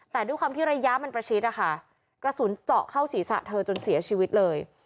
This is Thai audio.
แต่ด้วยความที่ระยะมันประชิดนะคะกระสุนเจาะเข้าศีรษะเธอจนเสียชีวิตเลย